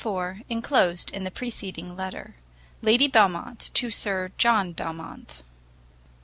[Inclosed in the preceding Letter.] LADY BELMONT TO SIR JOHN BELMONT.